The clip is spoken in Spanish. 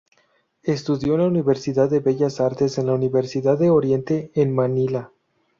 Estudió en la escuela de Bellas Artes en la Universidad de Oriente en Manila.